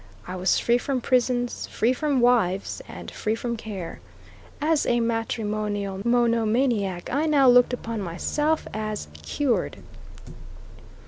I was free from prisons, free from my wives, and free from care. As a matrimonial monomaniac I now looked upon myself as cured.